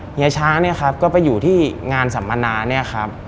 เฮียช้างเนี่ยครับก็ไปอยู่ที่งานสัมมนาเนี่ยครับ